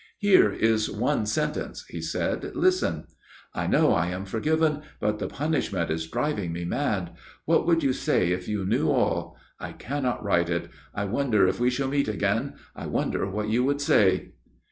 " Here is one sentence," he said. " Listen :* I know I am forgiven ; but the punishment is driving me mad. What would you say if you knew all ! I cannot write it. I wonder if we shall meet again. I wonder what you would say.'